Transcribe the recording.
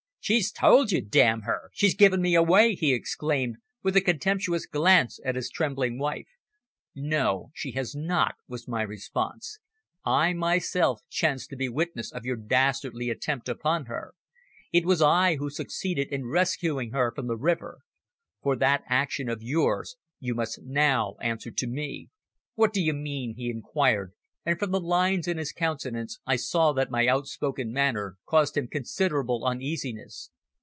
"She's told you, damn her! She's given me away!" he exclaimed, with a contemptuous glance at his trembling wife. "No, she has not," was my response. "I myself chanced to be witness of your dastardly attempt upon her. It was I who succeeded in rescuing her from the river. For that action of yours you must now answer to me." "What do you mean?" he inquired, and from the lines in his countenance I saw that my outspoken manner caused him considerable uneasiness.